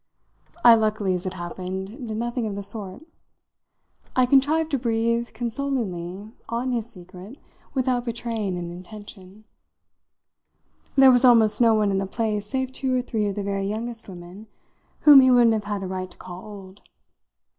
I luckily, as it happened, did nothing of the sort; I contrived to breathe consolingly on his secret without betraying an intention. There was almost no one in the place save two or three of the very youngest women whom he wouldn't have had a right to call old.